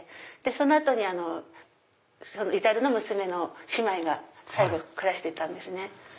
その後に至の娘の姉妹が最後暮らしていたんですね。